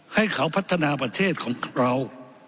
ให้เขาพัฒนาประเทศของเรา